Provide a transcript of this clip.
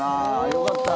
よかった。